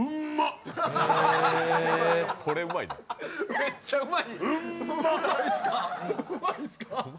めっちゃうまい！